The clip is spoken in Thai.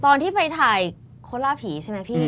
ตอนที่ไปถ่ายโคล่าผีใช่ไหมพี่